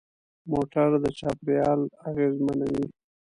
موټر د چاپېریال اغېزمنوي.